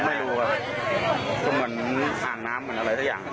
ไม่รู้ครับวันอ่างน้ำหรืออะไรแท้อย่าง